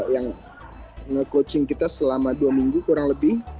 yang ngecoaching kita selama dua minggu kurang lebih